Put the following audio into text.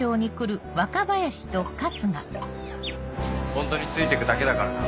ホントについてくだけだからな。